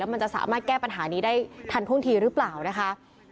มันจะสามารถแก้ปัญหานี้ได้ทันท่วงทีหรือเปล่านะคะ